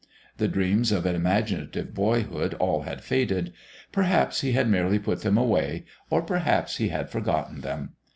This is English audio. The dreams of imaginative boyhood all had faded; perhaps he had merely put them away, or perhaps he had forgotten them.